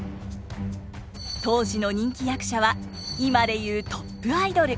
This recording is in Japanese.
当時の人気役者は今で言うトップアイドル。